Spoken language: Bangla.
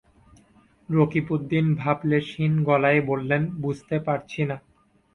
রকিবউদ্দিন ভাবলেশহীন গলায় বললেন, বুঝতে পারছি না।